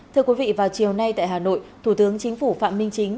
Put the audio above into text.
thưa quý vị vào chiều nay tại hà nội thủ tướng chính phủ phạm minh chính